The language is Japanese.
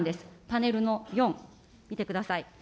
パネルの４、見てください。